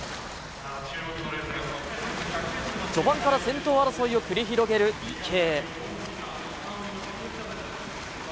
序盤から先頭争いを繰り広げる池江。